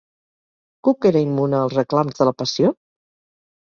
Cook era immune als reclams de la passió?